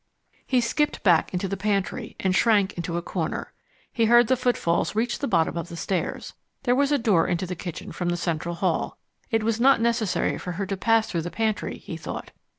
He skipped back into the pantry, and shrank into a corner. He heard the footfalls reach the bottom of the stairs. There was a door into the kitchen from the central hall: it was not necessary for her to pass through the pantry, he thought.